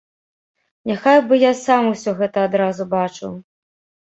Няхай бы я сам усё гэта адразу бачыў.